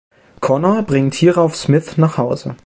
Connor bringt hierauf Smith nach Hause.